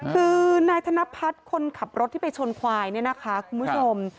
คือนายธนพัฒน์คนขับรถที่ไปชนควายเนี่ยนะคะคุณผู้ชม